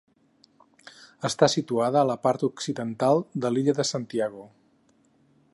Està situada a la part occidental de l'illa de Santiago.